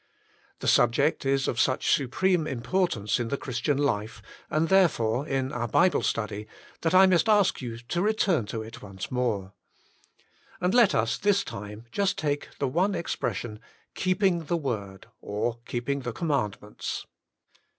The subject is of such supreme importance in the Christian life, and therefore in our Bible study, that I must ask you to return to it once more. And let us this time just take the one expression, Keeping the Word, or keeping the commandments.